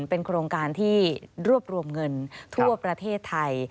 เป็นโครงการที่รวบรวมเงินทั่วประเทศไทย